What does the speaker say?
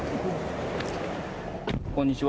こんにちは。